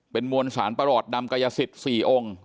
เป็นมวลสารประหลอดดำกายสิทธิ์๔องค์